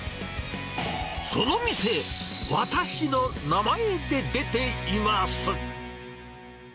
その店、私の名前で出ています。